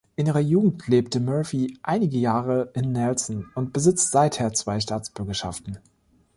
In ihrer Jugend lebte Murphy einige Jahre in Nelson und besitzt seither zwei Staatsbürgerschaften.